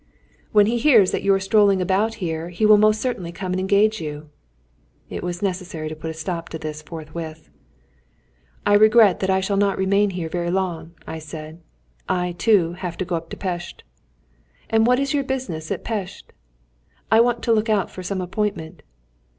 "When he hears that you are strolling about here he will most certainly come and engage you." It was necessary to put a stop to this forthwith. "I regret that I shall not remain here very long," I said; "I, too, have to go up to Pest." "And what is your business at Pest?" "I want to look out for some appointment."